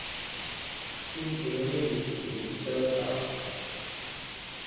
新平立體停車場